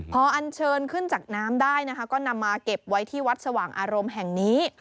พออันเชิญขึ้นจากน้ำได้นะคะก็นำมาเก็บไว้ที่วัดสว่างอารมณ์แห่งนี้